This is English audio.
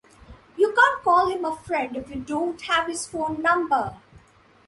You can't call him a friend if you don't have his phone number.